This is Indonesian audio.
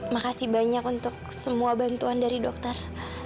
makasih banyak untuk semua bantuan dari dokter